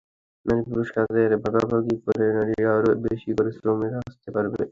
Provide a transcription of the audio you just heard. নারী-পুরুষ কাজের ভাগাভাগি হলে নারী আরও বেশি করে শ্রমবাজারে আসতে পারবে।